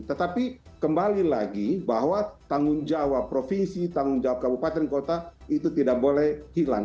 tetapi kembali lagi bahwa tanggung jawab provinsi tanggung jawab kabupaten kota itu tidak boleh hilang